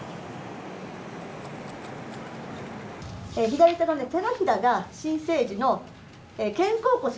左手の手のひらが新生児の肩甲骨に当たります。